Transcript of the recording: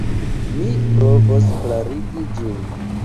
Mi provos klarigi ĝin.